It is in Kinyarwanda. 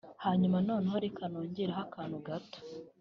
Hanyuma noneho reka nongereho akantu gato